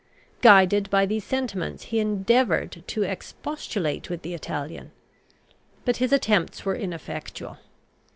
Guided by these sentiments, he endeavoured to expostulate with the Italian. But his attempts were ineffectual.